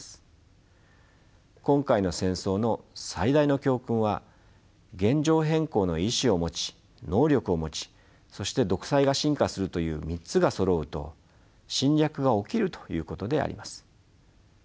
今回の戦争の最大の教訓は現状変更の意思を持ち能力を持ちそして独裁が深化するという３つがそろうと侵略が起きるということであります。